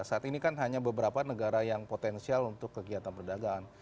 saat ini kan hanya beberapa negara yang potensial untuk kegiatan perdagangan